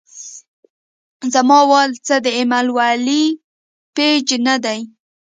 زما وال څۀ د اېمل ولي پېج نۀ دے